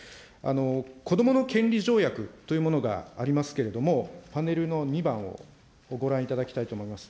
子どもの権利条約というものがありますけれども、パネルの２番をご覧いただきたいと思います。